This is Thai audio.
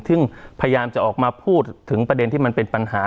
ซึ่งพยายามจะออกมาพูดถึงประเด็นที่มันเป็นปัญหา